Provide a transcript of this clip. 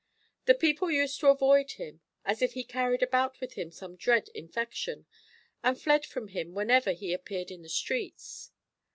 The people used to avoid him, as if he carried about with him some dread infection, and fled from him whenever he appeared in the streets.